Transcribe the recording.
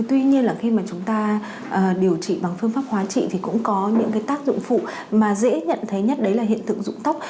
tuy nhiên là khi mà chúng ta điều trị bằng phương pháp hóa trị thì cũng có những tác dụng phụ mà dễ nhận thấy nhất đấy là hiện tượng dụng tóc